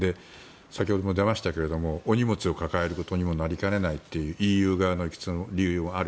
先ほども出ましたけれどもお荷物を抱えることにもなりかねないというＥＵ側の理由もある。